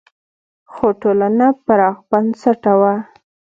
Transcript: خو ټولنه پراخ بنسټه وه.